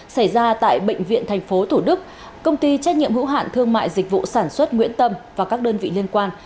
xảy ra tại bệnh viện tp thủ đức công ty trách nhiệm hữu hạn thương mại dịch vụ sản xuất nguyễn tâm và các đơn vị liên quan